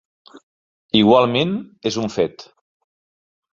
Igualment és un fet.